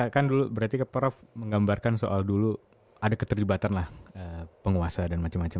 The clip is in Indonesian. kan dulu berarti prof menggambarkan soal dulu ada keterlibatan lah penguasa dan macam macam